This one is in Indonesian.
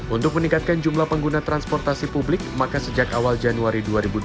untuk meningkatkan jumlah pengguna transportasi publik maka sejak awal januari dua ribu dua puluh